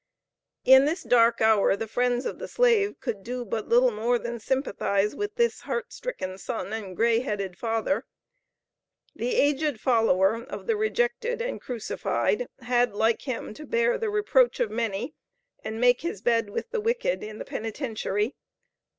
In this dark hour the friends of the Slave could do but little more than sympathize with this heart stricken son and grey headed father. The aged follower of the Rejected and Crucified had like Him to bear the "reproach of many," and make his bed with the wicked in the Penitentiary.